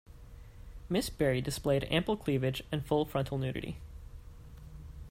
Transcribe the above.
Miss Barrey displayed ample cleavage and full frontal nudity.